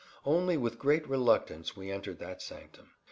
Only with great reluctance we entered that sanctum.